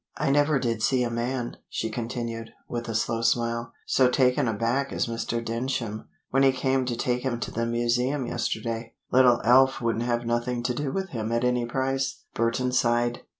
I never did see a man," she continued, with a slow smile, "so taken aback as Mr. Denschem, when he came to take him to the museum yesterday. Little Alf wouldn't have nothing to do with him at any price." Burton sighed.